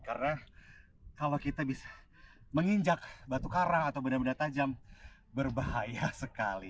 karena kalau kita bisa menginjak batu karang atau benda benda tajam berbahaya sekali